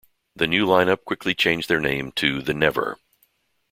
The new lineup quickly changed their name to The Never.